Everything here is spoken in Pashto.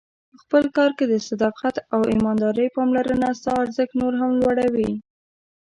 په خپل کار کې د صداقت او ایماندارۍ پاملرنه ستا ارزښت نور هم لوړوي.